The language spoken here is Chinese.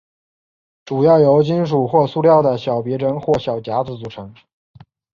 主要由金属或塑料的小别针或小夹子组成。